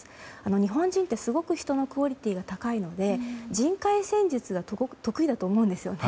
日本人ってすごく人のクオリティーが高いので、人海戦術が得意だと思うんですね。